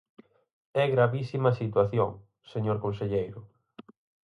É gravísima a situación, señor conselleiro.